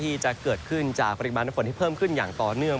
ที่จะเกิดขึ้นจากปริมาณน้ำฝนที่เพิ่มขึ้นอย่างต่อเนื่อง